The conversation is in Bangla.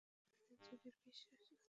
এ হচ্ছে আমাদের যুগের বিশ্বাসঘাতক!